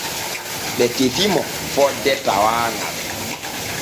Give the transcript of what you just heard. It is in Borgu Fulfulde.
Ɓe tefi mo fonde tawaaŋal.